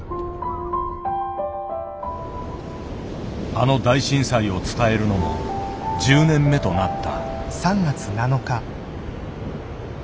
あの大震災を伝えるのも１０年目となった。